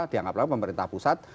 dianggap anggap pemerintah pusat